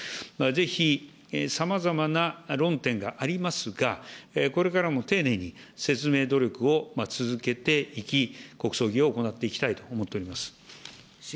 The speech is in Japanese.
ぜひ、さまざまな論点がありますが、これからも丁寧に説明努力を続けていき、国葬儀を行っていきたいと思っております。